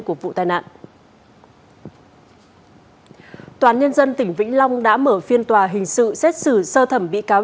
của vụ tai nạn nhân tỉnh vĩnh long đã mở phiên tòa hình sự xét xử sơ thẩm bị cáo